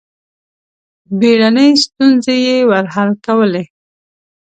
بېړنۍ ستونزې یې ور حل کولې.